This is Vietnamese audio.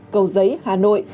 cầu giấy hà nội